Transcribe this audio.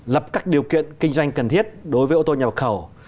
lập các điều kiện kinh doanh cần thiết đối với ô tô nhập khẩu